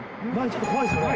ちょっと怖いっすよね